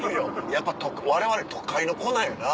やっぱわれわれ都会の子なんやな。